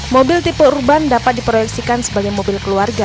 mobil tipe urban dapat diproyeksikan sebagai mobil keluarga